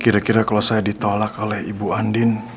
kira kira kalau saya ditolak oleh ibu andin